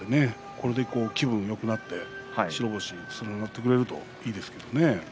これで気分よくなって白星、つながってくれるといいと思います。